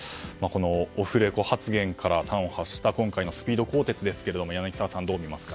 オフレコ発言から端を発した今回のスピード更迭ですが柳澤さん、どう見ますか？